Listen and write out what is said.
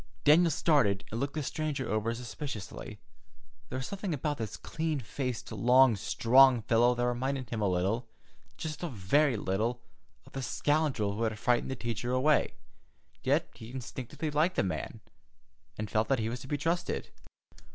Daniel started, and looked the stranger over suspiciously. There was a something about this clean faced, long, strong fellow that reminded him a little, just a very little, of the scoundrel who had frightened the teacher away; yet he instinctively liked this man, and felt that he was to be trusted.